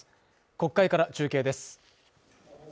国会から中継です。